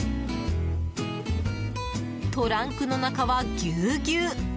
トランクの中はぎゅうぎゅう！